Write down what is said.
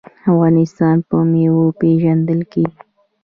افغانستان په میوو پیژندل کیږي.